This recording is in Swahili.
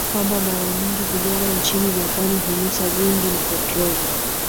kwamba mara nyingi vijana nchini Japan hunusa gundi na petroli